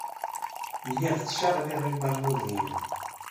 Lliɣ ttcaɣliɣ ibalmuden-inu.